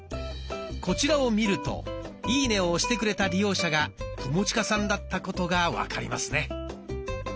こちらを見るといいねを押してくれた利用者が友近さんだったことが分かりますね。